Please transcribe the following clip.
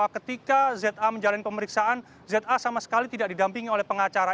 ketika za menjalani pemeriksaan za sama sekali tidak didampingi oleh pengacara